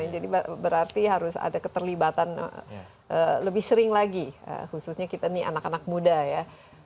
jadi berarti harus ada keterlibatan lebih sering lagi khususnya kita ini anak anak muda ya